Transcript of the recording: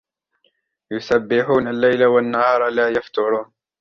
يُسَبِّحُونَ اللَّيْلَ وَالنَّهَارَ لَا يَفْتُرُونَ